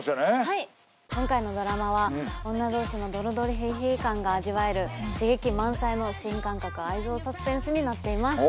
はい今回のドラマは女同士のドロドロヒリヒリ感が味わえる刺激満載の新感覚愛憎サスペンスになっています